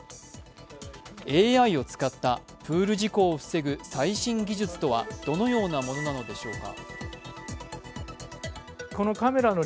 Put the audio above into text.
ＡＩを使ったプール事故を防ぐ最新技術とは、どのようなものなのでしょうか。